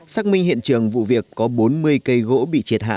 xác minh hiện trường vụ việc có bốn mươi cây gỗ bị triệt hạ